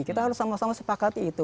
kita harus sama sama sepakati itu